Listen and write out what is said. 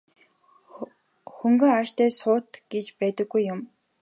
Хөнгөн араншинтай суут гэж байдаггүй юм.